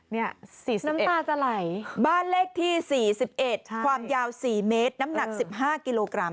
นี่๔๑บ้านเลขที่๔๑ความยาว๔เมตรน้ำหนัก๑๕กิโลกรัม